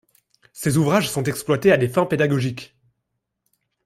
Ces ouvrages sont exploités à des fins pédagogiques.